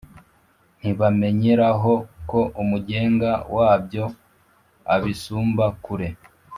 ntibamenyeraho ko Umugenga wabyo abisumba kure,